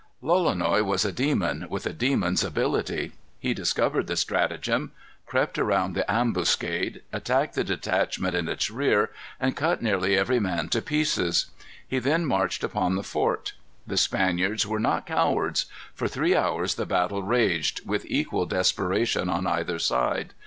Lolonois was a demon, with a demon's ability. He discovered the stratagem; crept around the ambuscade; attacked the detachment in its rear, and cut nearly every man to pieces. He then marched upon the fort. The Spaniards were not cowards. For three hours the battle raged, with equal desperation on either side.